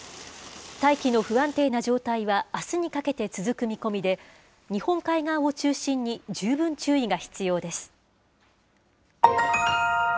大気の不安定な状態は、あすにかけて続く見込みで、日本海側を中心に十分注意が必要です。